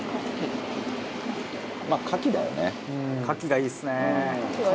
「牡蠣がいいですね」